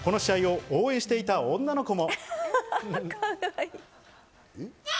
この試合を応援していた女の子も。